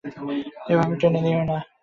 এভাবে টেনে নিও না।